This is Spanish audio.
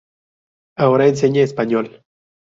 Ahora enseña español.